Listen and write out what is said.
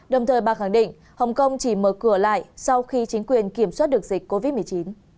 đồng thời bà khẳng định hồng kông chỉ mở cửa lại sau khi chính quyền kiểm soát được dịch covid một mươi chín